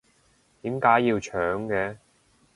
點解要搶嘅？